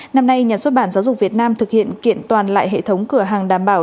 năm nay nhà xuất bản giáo dục việt nam thực hiện kiện toàn lại hệ thống cửa hàng đảm bảo